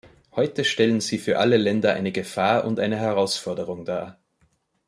Heute stellen sie für alle Länder eine Gefahr und eine Herausforderung dar.